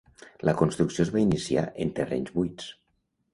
La construcció es va iniciar en terrenys buits.